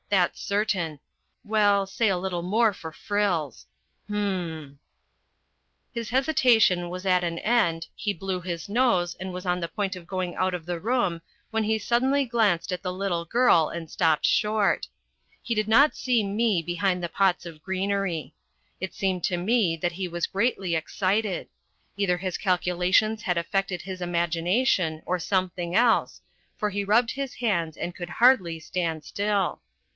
.. that's certain; well, say a little more for frills. H'm !..." His hesitation was at an end, he blew his nose and was on the point of going out of the room when he suddenly glanced at the little girl and stopped short. He did not see me behind the pots of greenery. It seemed to me that he was greatly excited. Either his calculations had affected his imagination or something else, for he rubbed his hands and could hardly stand still.